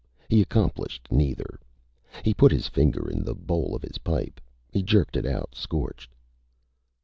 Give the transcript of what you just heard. He accomplished neither. He put his finger in the bowl of his pipe. He jerked it out, scorched.